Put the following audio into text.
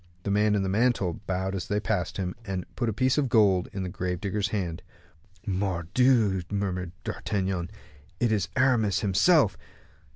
The man in the mantle bowed as they passed him, and put a piece of gold into the grave digger's hand. "Mordioux!" murmured D'Artagnan; "it is Aramis himself."